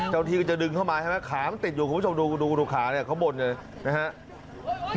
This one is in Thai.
ที่ก็จะดึงเข้ามาใช่ไหมขามันติดอยู่คุณผู้ชมดูดูขาเนี่ยเขาบ่นเลยนะครับ